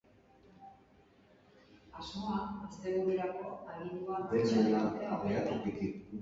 Dirudienez, haurra oharkabean erori da bere etxeko urmaelean.